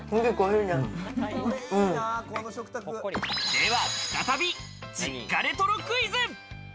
では再び、実家レトロクイズ！